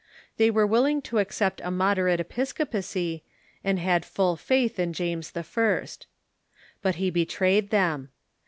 They were willing to accept a moderate episcopacy, and had full faith in James I. But he betrayed them.